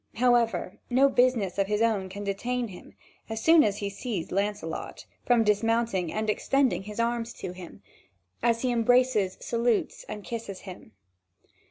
However, no business of his own can detain him, as soon as he sees Lancelot, from dismounting and extending his arms to him, as he embraces, salutes and kisses him.